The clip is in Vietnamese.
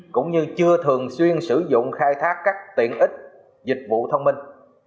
cũng như chưa thường xuyên sử dụng khai thác các tiện ích dịch vụ thông minh